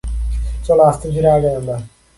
চলো আস্তে-ধীরে আগাই আমরা!